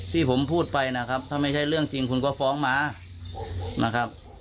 ที่ผมพูดไปนะครับถ้าไม่ใช่เรื่องจริงคุณก็ฟ้องมานะครับ